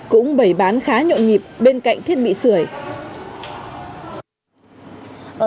cũng bày bán khá nhộn nhịp bên cạnh thiết bị sửa